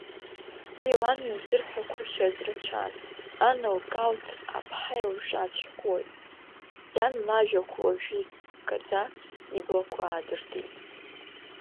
Уи лан илзырҳәақәахьаз рацәан, ан лкалҭ аԥҳа илҿацәхоит, иан лажәақәа уажәы иккаӡа иблақәа аадыртит.